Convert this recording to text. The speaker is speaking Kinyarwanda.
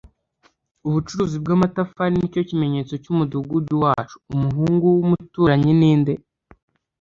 ubucuruzi bwamatafari nicyo kimenyetso cyumudugudu wacu; umuhungu w'umuturanyi ninde